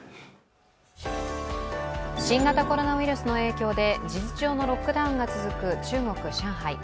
新型コロナウイルスの影響で事実上のロックダウンが続く中国・上海。